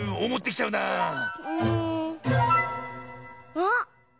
あっ！